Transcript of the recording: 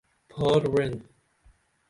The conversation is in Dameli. پھار وعنین